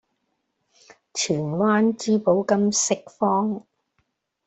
荃灣珠寶金飾坊